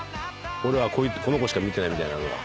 「俺はこの子しか見てない」みたいなのは？